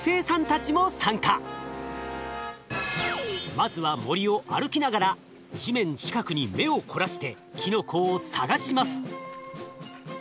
まずは森を歩きながら地面近くに目を凝らしてキノコを探します。